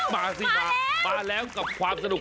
มาสิมามาแล้วกับความสนุก